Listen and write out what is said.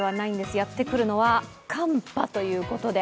やってくるのは寒波ということで。